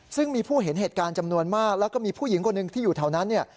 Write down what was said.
ซึ่งมีผู้เห็นเหตุการณ์จำนวนมากแล้วก็มีผู้หญิงคนหนึ่งที่อยู่แถวนั้นเนี่ย